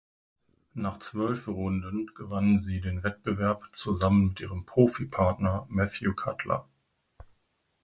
Nach zwölf Runden gewann sie den Wettbewerb zusammen mit ihrem Profi-Partner Matthew Cutler.